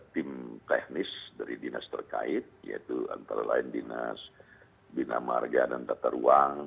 tim teknis dari dinas terkait yaitu antara lain dinas bina marga dan tata ruang